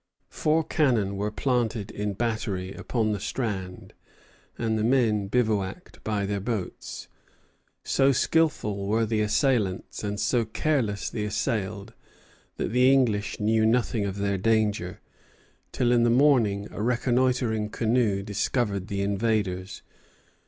Four cannon were planted in battery upon the strand, and the men bivouacked by their boats. So skilful were the assailants and so careless the assailed that the English knew nothing of their danger, till in the morning, a reconnoitring canoe discovered the invaders.